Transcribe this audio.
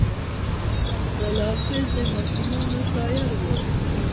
نصرالله حافظ د ماشومانو شاعر و.